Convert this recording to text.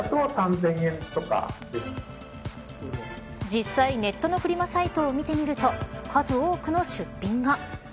実際、ネットのフリマサイトを見てみると数多くの出品が。